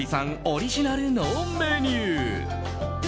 オリジナルのメニュー。